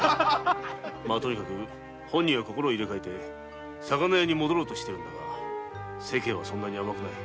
とにかく本人は心を入れかえて魚屋に戻ろうとしているが世間はそう甘くない。